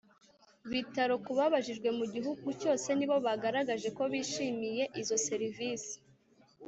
Bitaro ku babajijwe mu gihugu cyose nibo bagaragaje ko bishimiye izo serivisi